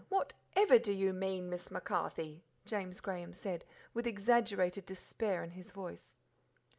Whatever do you mean, Miss MacCarthy?" James Graham said, with exaggerated despair in his voice.